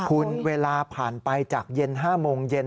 คุณเวลาผ่านไปจากเย็น๕โมงเย็น